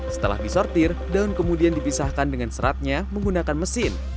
setelah disortir daun kemudian dipisahkan dengan seratnya menggunakan mesin